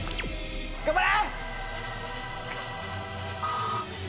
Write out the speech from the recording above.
頑張れ！